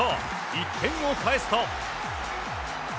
１点を返すと。